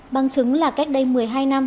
bằng chứng là cách đây một mươi hai năm